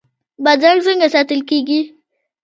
بادرنګ څنګه ساتل کیږي؟